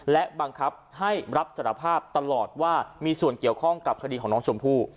และบังคับให้รับสารภาพตลอดว่ามีส่วนเกี่ยวข้องกับคดีของน้องชมพู่